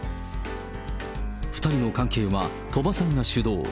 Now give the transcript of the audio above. ２人の関係は鳥羽さんが主導。